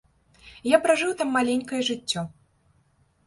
Я пражыў там маленькае жыццё.